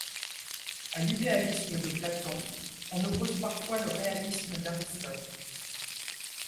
À l'idéalisme de Platon, on oppose parfois le réalisme d'Aristote.